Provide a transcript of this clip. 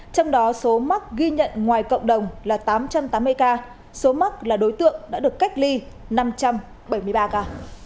trong đó số mắc ghi nhận ngoài cộng đồng là tám trăm tám mươi ca số mắc là đối tượng đã được cách ly năm trăm bảy mươi ba ca